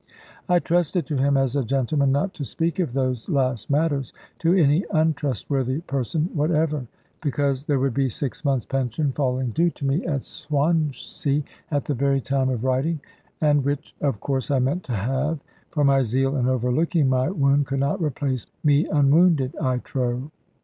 I trusted to him as a gentleman not to speak of those last matters to any untrustworthy person whatever; because there would be six months' pension falling due to me at Swansea, at the very time of writing; and which of course I meant to have; for my zeal in overlooking my wound could not replace me unwounded, I trow.